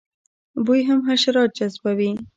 بوی هم حشرات جذبوي